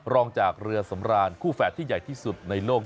รองจากเรือสำรานคู่แฝดที่ใหญ่ที่สุดในโลก